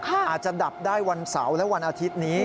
อาจจะดับได้วันเสาร์และวันอาทิตย์นี้